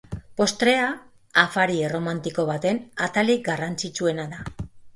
Postrea afari erromantiko baten atalik garrantzitsuena da.